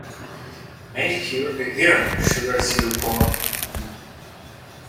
Make you're a hero sure as you're born!